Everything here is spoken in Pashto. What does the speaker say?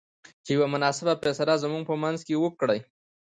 چې يوه مناسبه فيصله زموږ په منځ کې وکړۍ.